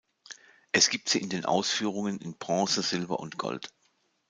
Es gibt sie in den Ausführungen in Bronze, Silber und Gold.